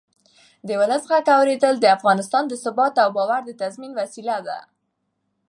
د ولس غږ اورېدل د افغانستان د ثبات او باور د تضمین وسیله ده